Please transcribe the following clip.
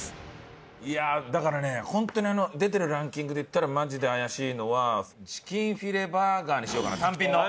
いやだからねホントに出てるランキングでいったらマジで怪しいのはチキンフィレバーガーにしようかな単品の。